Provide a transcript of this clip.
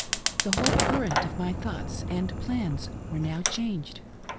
The whole current of my thoughts and plans was now changed.